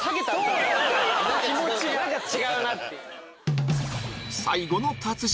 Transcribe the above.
何か違うなっていう。